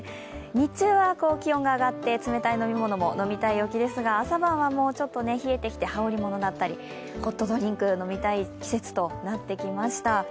日中は気温が上がって冷たい飲み物も飲みたい陽気ですが朝晩はちょっと冷えてきて、羽織り物があったりホットドリンクが飲みたい季節となってきました。